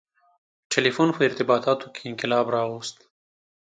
• ټیلیفون په ارتباطاتو کې انقلاب راوست.